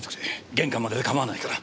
玄関までで構わないから。